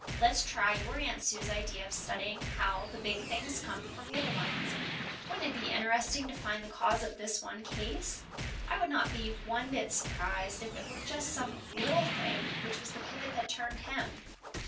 Let's try your Aunt Sue's idea of studying how the big things come from little ones. Wouldn't it be interesting to find the cause of this one case? I would not be one bit surprised if it were just some little thing which was the pivot that turned him."